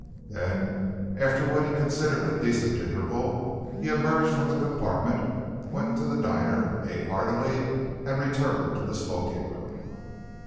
Then, after what he considered a decent interval, he emerged from the compartment, went to the diner, ate heartily, and returned to the smoking room.